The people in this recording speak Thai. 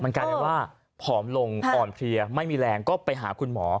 กลายเป็นว่าผอมลงอ่อนเพลียไม่มีแรงก็ไปหาคุณหมอ